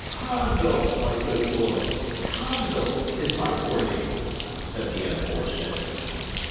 '" "Condall, my good lord; Condall is my poor name," said the unfortunate.